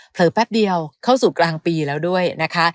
แป๊บเดียวเข้าสู่กลางปีแล้วด้วยนะคะ